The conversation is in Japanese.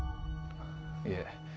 いえ